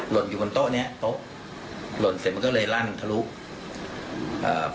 หล่นอยู่บนโต๊ะเนี้ยโฟ่หล่นเสร็จมันก็เลยรั่นคะลูป